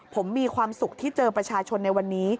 ผมมีความสุขที่เจอประชาชนในวันนี้